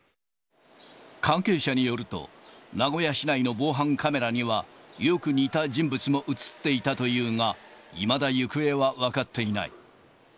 関係者によると、名古屋市内の防犯カメラには、よく似た人物も写っていたというが、いまだ行方は分かっていない。